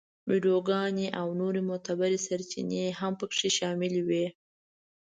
ویډیوګانې او نورې معتبرې سرچینې هم په کې شاملې وې.